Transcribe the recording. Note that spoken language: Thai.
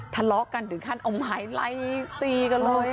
ทะเลาะกันถึงขั้นเอาหมายอะไรตีกันเลยค่ะ